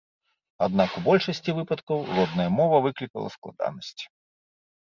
Аднак, у большасці выпадкаў родная мова выклікала складанасці.